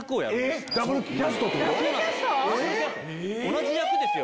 ⁉同じ役ですよ